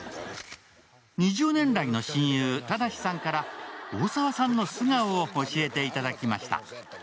２０年来の親友、忠さんから大沢さんの素顔を教えていただきました。